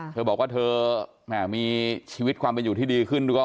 เธอบอกว่าเธอแหมมีชีวิตความเป็นอยู่ที่ดีขึ้น